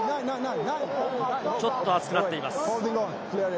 ちょっと熱くなっています。